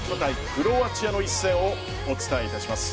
クロアチアの一戦をお伝えいたします。